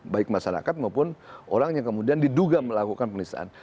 baik masyarakat maupun orang yang kemudian diduga melakukan penistaan